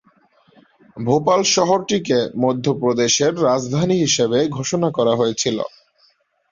ভোপাল শহরটিকে মধ্য প্রদেশের রাজধানী হিসাবে ঘোষণা করা হয়েছিল।